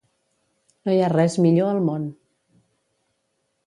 No hi ha res millor al món.